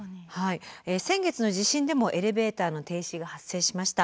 先月の地震でもエレベーターの停止が発生しました。